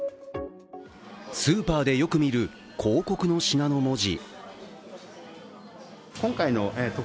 スーパーでよく見る、「広告の品」の文字。